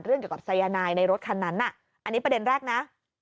เกี่ยวกับสายนายในรถคันนั้นอันนี้ประเด็นแรกนะ